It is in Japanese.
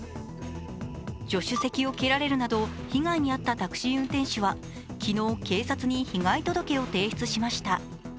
助手席を蹴られるなど被害に遭ったタクシー運転手は昨日、警察に被害届を提出しました。